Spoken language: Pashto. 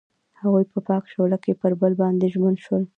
هغوی په پاک شعله کې پر بل باندې ژمن شول.